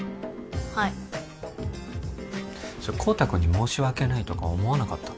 はいそれ孝多君に申し訳ないとか思わなかった？